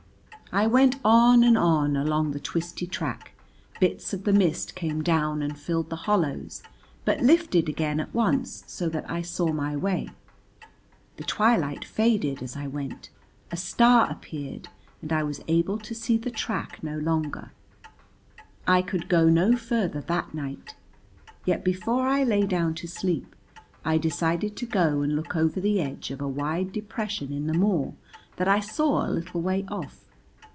I went on and on along the twisty track, bits of the mist came down and filled the hollows but lifted again at once so that I saw my way. The twilight faded as I went, a star appeared, and I was able to see the track no longer. I could go no further that night, yet before I lay down to sleep I decided to go and look over the edge of a wide depression in the moor that I saw a little way off.